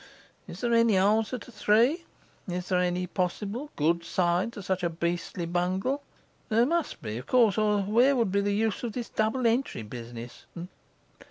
Is there any answer to No. 3? Is there any possible good side to such a beastly bungle? There must be, of course, or where would be the use of this double entry business?